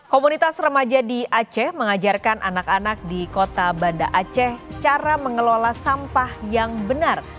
komunitas remaja di aceh mengajarkan anak anak di kota banda aceh cara mengelola sampah yang benar